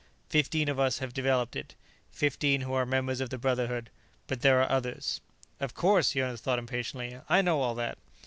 Fifteen of us have developed it; fifteen who are members of the Brotherhood. But there are others " "Of course," Jonas thought impatiently. "I know all that."